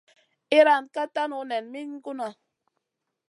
Iyran ka tanu nen min gunna.